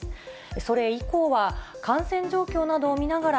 それ以降は、感染状況などを見ながら、